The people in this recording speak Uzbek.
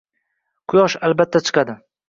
Quyosh, albatta chiqadi